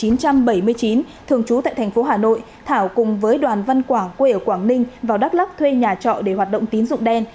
năm một nghìn chín trăm bảy mươi chín thường trú tại thành phố hà nội thảo cùng với đoàn văn quảng quê ở quảng ninh vào đắk lắc thuê nhà trọ để hoạt động tín dụng đen